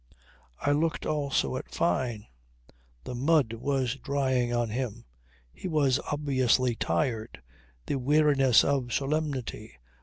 I looked also at Fyne; the mud was drying on him; he was obviously tired. The weariness of solemnity.